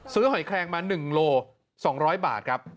หอยแคลงมา๑โล๒๐๐บาทครับ